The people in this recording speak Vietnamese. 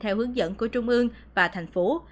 theo hướng dẫn của trung ương và thành phố